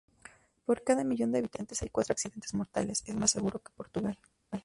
Por cada millón de habitantes, hay cuatro accidentes mortales, es más seguro que Portugal.